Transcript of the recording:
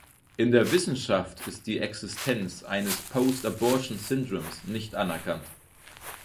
In der Wissenschaft ist die Existenz eines "Post-Abortion-Syndroms" nicht anerkannt.